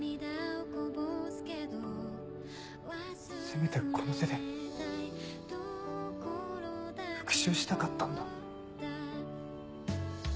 せめてこの手で復讐したかったんだ。